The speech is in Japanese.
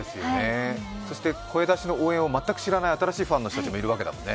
そして声出しの応援を知らない新しいファンがいるんだもんね。